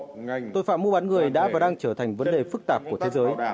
rằng tội phạm mua bán người đã và đang trở thành vấn đề phức tạp của thế giới